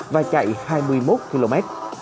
và chạy hai mươi một km